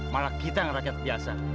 malah kita yang rakyat biasa